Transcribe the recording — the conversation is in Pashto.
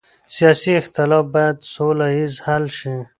سیاسي اختلاف باید سوله ییز حل شي